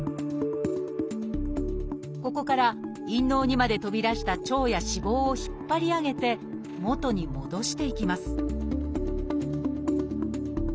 ここから陰嚢にまで飛び出した腸や脂肪を引っ張り上げて元に戻していきます